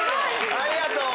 ありがとう。